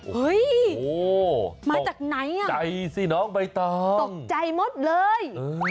เฮ้ยมาจากไหนอ่ะตกใจหมดเลย